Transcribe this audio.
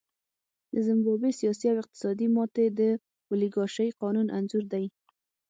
د زیمبابوې سیاسي او اقتصادي ماتې د اولیګارشۍ قانون انځور دی.